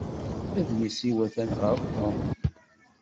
Adlis-iw atan ɣer Tom.